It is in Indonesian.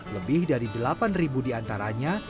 lebih dari delapan ribu diantaranya